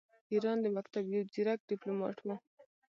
د ایران د مکتب یو ځیرک ډیپلوماټ وو.